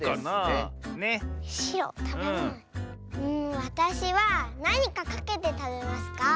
わたしはなにかかけてたべますか？